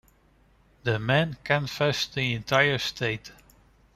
The men canvased the entire state.